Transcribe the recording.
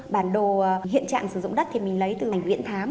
bản đồ hiện trạng sử dụng đất thì mình lấy từ bản đồ viễn thám